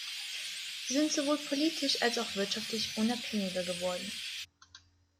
Sie sind sowohl politisch als auch wirtschaftlich unabhängiger geworden.